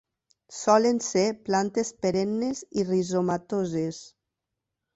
Solen ser plantes perennes i rizomatoses.